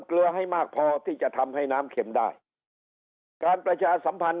เกลือให้มากพอที่จะทำให้น้ำเข็มได้การประชาสัมพันธ